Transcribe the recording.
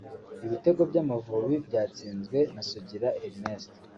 Ibitego by’Amavubi byatsinzwe na Sugira Ernest